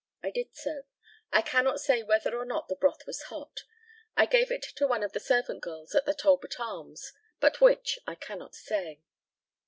I did so. I cannot say whether or not the broth was hot. I gave it to one of the servant girls at the Talbot Arms, but which I cannot say.